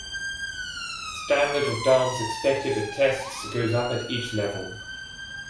Standard of dance expected at tests goes up at each level.